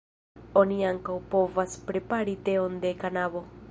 Oni ankaŭ povas prepari teon de kanabo.